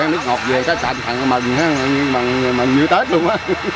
nước ngọt về cái thành thần của mình mình như tết luôn á